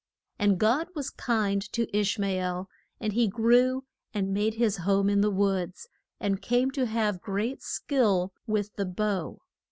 And God was kind to Ish ma el, and he grew, and made his home in the woods, and came to have great skill with the bow.